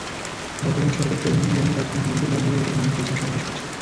বর্তমান সরকারকে অভিনন্দন জানিয়ে তাৎক্ষণিক মহিপুর বন্দরে এসব মানুষ মিছিল সমাবেশ করেছে।